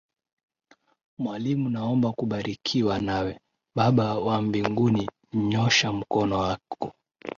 Mwalimu naomba kubarikiwa nawe. Baba wa mbinguni nyosha mkono wako.